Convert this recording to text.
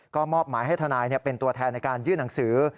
ก็มอบหมายให้ทนายเป็นตัวแทนในการยื่นหนังสือ